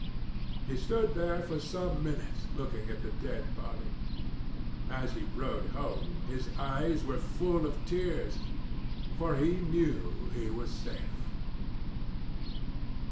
He stood there for some minutes looking at the dead body. As he rode home, his eyes were full of tears, for he knew he was safe.